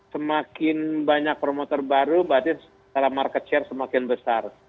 semakin banyak promoter baru berarti secara market share semakin besar